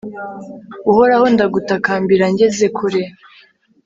uhoraho, ndagutakambira ngeze kure